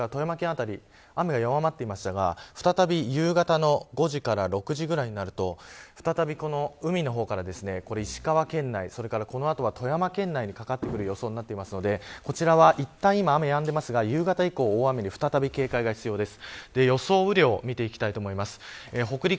辺り雨が弱まってましたが再び夕方の５時から６時くらいになると海の方から石川県内それからこの後、富山県内にかかってくる予想になっていますので、こちらはいったん今雨やんでますが夕方以降大雨に警戒が必要です。